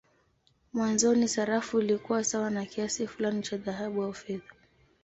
Mwanzoni sarafu ilikuwa sawa na kiasi fulani cha dhahabu au fedha.